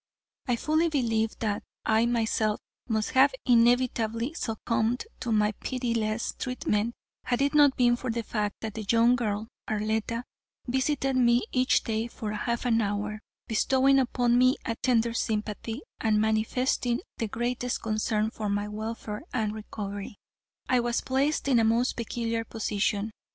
I fully believe that I myself must have inevitably succumbed to my pitiless treatment, had it not been for the fact that the young girl, Arletta, visited me each day for a half hour, bestowing upon me a tender sympathy, and manifesting the greatest concern for my welfare and recovery. I was placed in a most peculiar position.